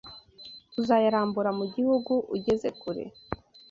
uzayarambura mu gihugu ugeze kure